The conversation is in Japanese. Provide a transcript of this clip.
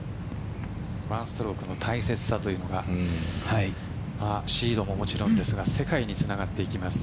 １ストロークの大切さがシードももちろんですが世界につながっていきます。